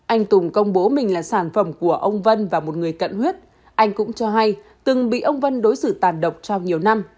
anh tùng công bố mình là sản phẩm của ông vân và một người cận huyết anh cũng cho hay từng bị ông vân đối xử tàn độc trong nhiều năm